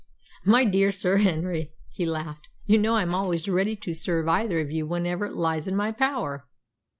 "My dear Sir Henry," he laughed, "you know I'm always ready to serve either of you whenever it lies in my power.